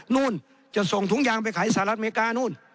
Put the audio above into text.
นู่นจะส่งถุงยางไปขายสหรัฐอเมริกานู่น